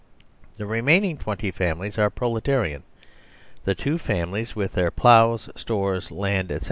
The remaining twenty families are Proletarian. The two families, with their ploughs, stores, land, etc.